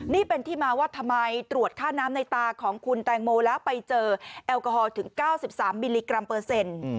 นี่เป็นที่มาว่าทำไมตรวจค่าน้ำในตาของคุณแตงโมแล้วไปเจอแอลกอฮอลถึง๙๓มิลลิกรัมเปอร์เซ็นต์